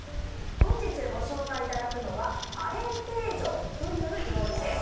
今日ご紹介していただくのはアレンテージョという料理です。